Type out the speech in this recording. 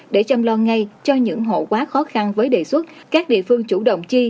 để chăm lo ngay cho những hộ quá khó khăn với đề xuất các địa phương chủ động chi